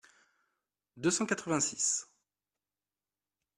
deux cent quatre-vingt-six.